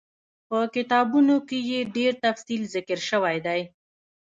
په کتابونو کي ئي ډير تفصيل ذکر شوی دی